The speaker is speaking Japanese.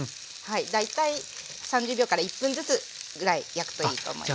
大体３０秒から１分ずつぐらい焼くといいと思います。